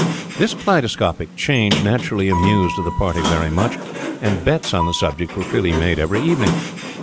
These kaleidoscopic changes naturally amused the party very much, and bets on the subject were freely made every evening.